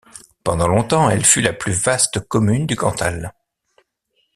Pendant longtemps, elle fut la plus vaste commune du Cantal.